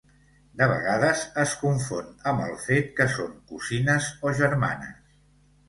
De vegades es confon amb el fet que són cosines o germanes.